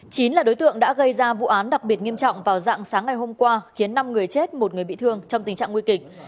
chín là đối tượng đã gây ra vụ án đặc biệt nghiêm trọng vào dạng sáng ngày hôm qua khiến năm người chết một người bị thương trong tình trạng nguy kịch